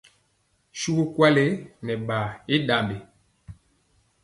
Suvu nkwali nɛ ɓaa i ɗambi.